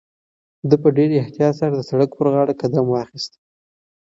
ده په ډېر احتیاط سره د سړک پر غاړه قدم واخیست.